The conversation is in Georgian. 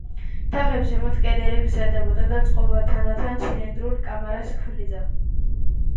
თაღებს ზემოთ კედელი გრძელდებოდა და წყობა თანდათან ცილინდრულ კამარას ქმნიდა.